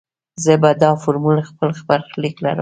زه به دا فورمول خپل برخليک کړم.